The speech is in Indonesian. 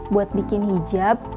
buat bikin hijab